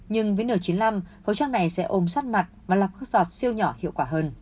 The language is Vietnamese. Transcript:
nhưng với n chín mươi năm khẩu trang này sẽ ôm sắt mặt và lọc các giọt siêu nhỏ hiệu quả hơn